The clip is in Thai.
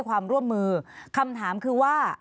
ความร่วมมือคำถามคือว่า